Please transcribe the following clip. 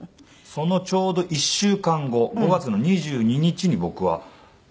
そのちょうど１週間後５月の２２日に僕は生まれたので。